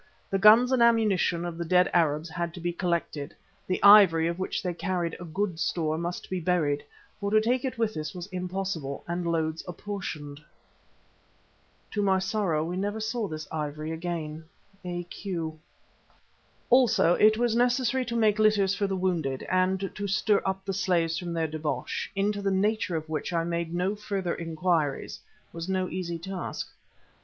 The guns and ammunition of the dead Arabs had to be collected; the ivory, of which they carried a good store, must be buried, for to take it with us was impossible, and the loads apportioned.[*] Also it was necessary to make litters for the wounded, and to stir up the slaves from their debauch, into the nature of which I made no further inquiries, was no easy task.